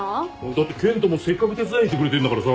だって健人もせっかく手伝いに来てくれてんだからさ。